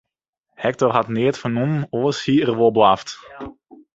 Hektor hat neat fernommen, oars hie er wol blaft.